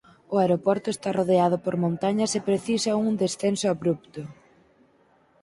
O aeroporto está rodeado por montañas e precisa un descenso abrupto.